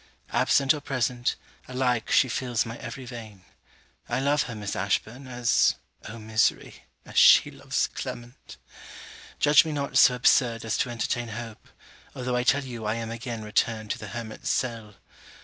Absent or present, alike she fills my every vein. I love her, Miss Ashburn, as oh misery! as she loves Clement! Judge me not so absurd as to entertain hope, although I tell you I am again returned to the hermit's cell.